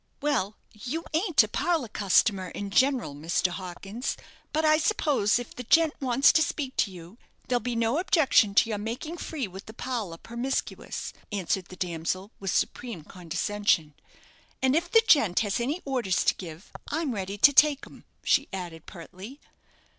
"Well, you ain't a parlour customer in general, Mr. Hawkins; but I suppose if the gent wants to speak to you, there'll be no objection to your making free with the parlour, promiscuous," answered the damsel, with supreme condescension. "And if the gent has any orders to give, I'm ready to take 'em," she added, pertly.